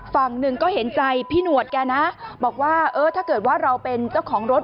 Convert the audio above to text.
ฝั่งหนึ่งก็เห็นใจพี่หนวดแกนะบอกว่าเออถ้าเกิดว่าเราเป็นเจ้าของรถ